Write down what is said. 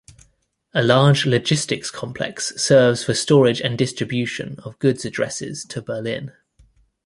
A large logistics complex serves for storage and distribution of goods addresses to Berlin.